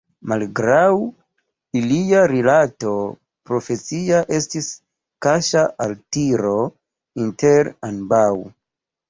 Malgraŭ ilia rilato profesia estis kaŝa altiro inter ambaŭ.